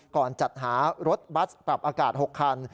จัดหารถบัสปรับอากาศ๖คัน